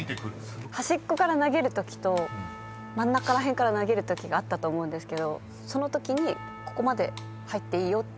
端っこから投げるときと真ん中ら辺から投げるときがあったと思うんですけどそのときここまで入っていいよっていう。